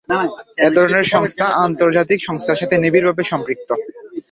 এ ধরনের সংস্থা আন্তর্জাতিক সংস্থার সাথে নিবিড়ভাবে সম্পৃক্ত।